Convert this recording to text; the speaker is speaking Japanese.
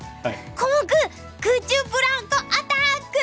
コモク空中ブランコアタック！